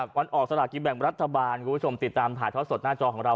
วันออกสลากินแบ่งรัฐบาลคุณผู้ชมติดตามถ่ายทอดสดหน้าจอของเรา